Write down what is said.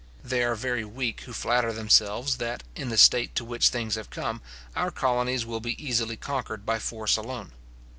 They are very weak who flatter themselves that, in the state to which things have come, our colonies will be easily conquered by force alone.